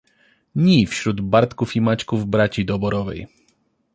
Ni wśród Bartków i Maćków braci doborowej